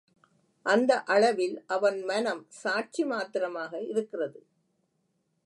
அந்த அளவில் அவன் மனம் சாட்சி மாத்திரமாக இருக்கிறது.